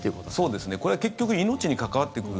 そうですね、これは結局命に関わってくる。